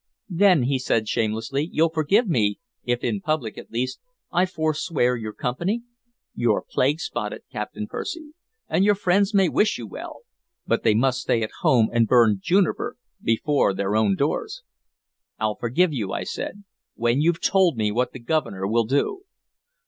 "Then," he said shamelessly, "you'll forgive me if in public, at least, I forswear your company? You're plague spotted, Captain Percy, and your friends may wish you well, but they must stay at home and burn juniper before their own doors." "I'll forgive you," I said, "when you 've told me what the Governor will do."